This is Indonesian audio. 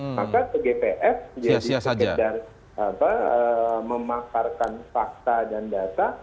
maka cgpf dia dikejar kejar memakarkan fakta dan data